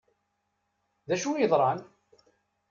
D acu i yeḍṛan?